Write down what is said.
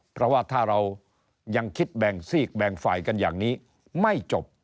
เพราะว่าถ้าเรายังคิดแบ่งซีกแบ่งฝ่ายกันอย่างนี้ไม่จบ